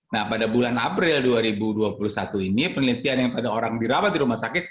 nah pada bulan april dua ribu dua puluh satu ini penelitian yang pada orang dirawat di rumah sakit